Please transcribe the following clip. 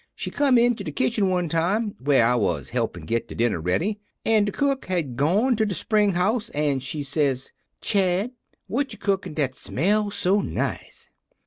She come into de kitchen one time where I was helpin' git de dinner ready, an' de cook had gone to de spring house, an' she says: "'Chad, what ye cookin' dat smells so nice?'